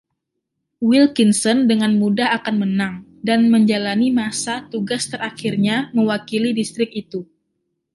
Wilkinson dengan mudah akan menang dan menjalani masa tugas terakhirnya mewakili distrik itu.